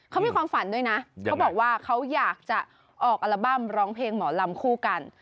เขามีความฝันด้วยนะเขาบอกว่าเขาอยากจะออกอัลบั้มร้องเพลงหมอลำคู่กัน